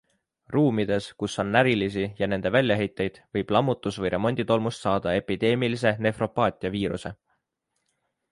Ruumides, kus on närilisi ja nende väljaheiteid, võib lammutus- või remonditolmust saada epideemilise nefropaatia viiruse.